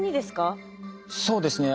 そうですね。